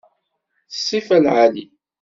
D ssifa lɛali.